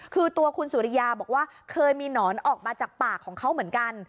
คือตัวคุณสุริยาบอกว่าเคยมีหนอนออกมาจากปากของเขาเหมือนกัน